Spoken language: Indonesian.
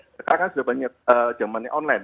sekarang kan sudah banyak zamannya online